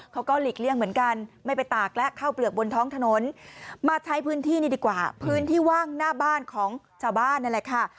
หลีกเลี่ยงเหมือนกันไม่ไปตากแล้วข้าวเปลือกบนท้องถนนมาใช้พื้นที่นี่ดีกว่าพื้นที่ว่างหน้าบ้านของชาวบ้านนั่นแหละค่ะ